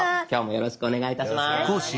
よろしくお願いします。